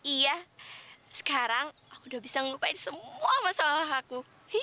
iya sekarang aku udah bisa melupain semua masalah aku